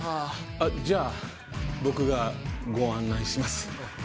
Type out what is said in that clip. あじゃあ僕がご案内します。